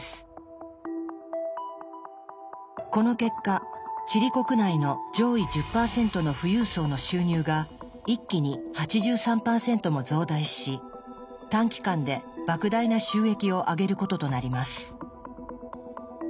この結果チリ国内の上位１０％の富裕層の収入が一気に８３％も増大し短期間でばく大な収益を上げることとなります。